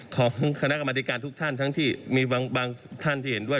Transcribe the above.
ของคณะกรรมธิการทุกท่านทั้งที่มีบางท่านที่เห็นด้วย